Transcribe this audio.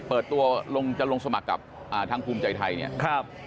เปิดตัวลงจะลงสมัครกับทางภูมิใจไทยเนี่ย